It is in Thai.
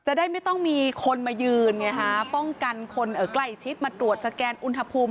จะได้ไม่ต้องมีคนมายืนไงฮะป้องกันคนใกล้ชิดมาตรวจสแกนอุณหภูมิ